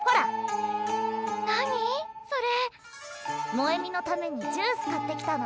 萌美のためにジュース買ってきたの。